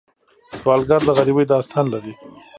سوالګر د غریبۍ داستان لري